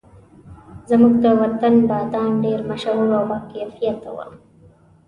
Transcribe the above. زموږ د وطن بادام ډېر مشهور او باکیفیته وو.